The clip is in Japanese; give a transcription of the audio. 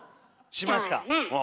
しました。